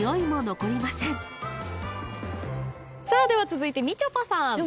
続いてみちょぱさん。